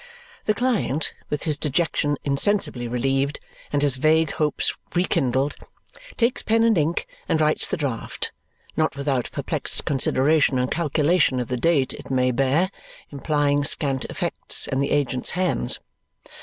The client, with his dejection insensibly relieved and his vague hopes rekindled, takes pen and ink and writes the draft, not without perplexed consideration and calculation of the date it may bear, implying scant effects in the agent's hands.